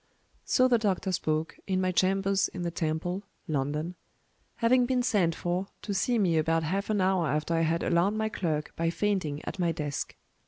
So the doctor spoke, in my chambers in the Temple (London); having been sent for to see me about half an hour after I had alarmed my clerk by fainting at my desk.